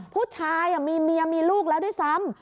ผู้ชายมีเมียมีลูกแล้วด้วยซ้ำ